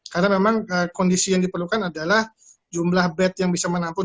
karena memang kondisi yang diperlukan adalah jumlah bed yang bisa menampung